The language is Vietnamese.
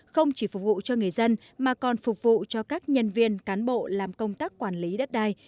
không chỉ phục vụ cho người dân mà còn phục vụ cho các nhân viên cán bộ làm công tác quản lý đất đai